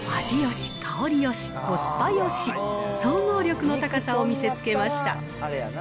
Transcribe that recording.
味よし、香りよし、コスパよし、総合力の高さを見せつけました。